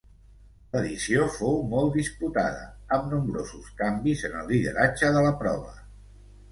L'edició fou molt disputada, amb nombrosos canvis en el lideratge de la prova.